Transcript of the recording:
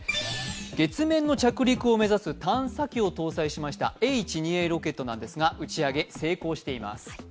月面の着陸を目指す探査機を搭載しましたＨ２Ａロケットですが打ち上げ成功しています。